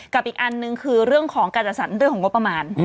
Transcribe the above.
อีกอันนึงคือเรื่องของการจัดสรรเรื่องของงบประมาณ